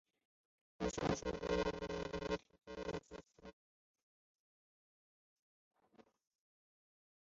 只有少数非国家公务员能升任到此阶级。